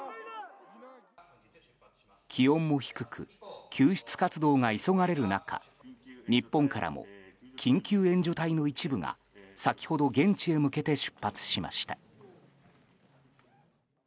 気温も低く救出活動が急がれる中日本からも緊急救助隊の一部が先ほど現地へ向けて出発しました。